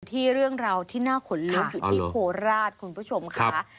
ที่เรื่องราวที่น่าขนลุกอยู่ที่โคราชคุณผู้ชมค่ะ